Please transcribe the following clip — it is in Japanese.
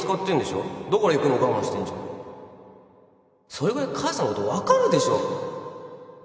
それぐらい母さんのこと分かるでしょ